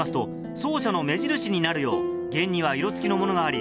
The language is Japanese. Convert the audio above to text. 奏者の目印になるよう弦には色付きのものがあり